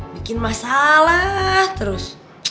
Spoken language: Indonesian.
bikin masalah terus